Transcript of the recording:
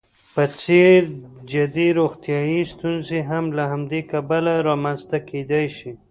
په څېر جدي روغیتايي ستونزې هم له همدې کبله رامنځته کېدلی شي.